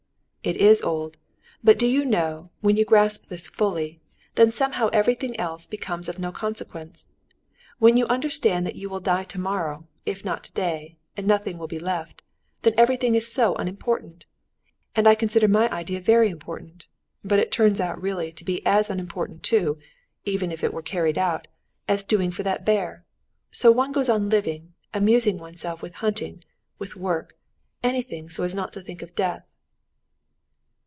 "It is old; but do you know, when you grasp this fully, then somehow everything becomes of no consequence. When you understand that you will die tomorrow, if not today, and nothing will be left, then everything is so unimportant! And I consider my idea very important, but it turns out really to be as unimportant too, even if it were carried out, as doing for that bear. So one goes on living, amusing oneself with hunting, with work—anything so as not to think of death!"